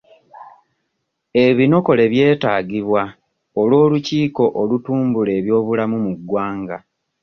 Ebinokole byetaagibwa olw'olukiiko olutumbula ebyobulamu mu ggwanga.